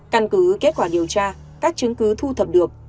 căn cứ kết quả điều tra các chứng cứ thu thập được